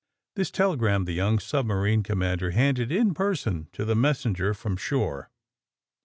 This telegram the young submarine com mander handed in person to the messenger from shore.